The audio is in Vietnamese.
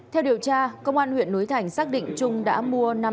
theo điều tra công an huyện núi thành xác định trung đã mua